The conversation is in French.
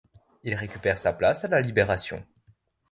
Il récupère sa place à la Libération.